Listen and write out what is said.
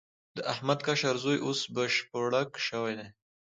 د احمد کشر زوی اوس بشپړک شوی دی.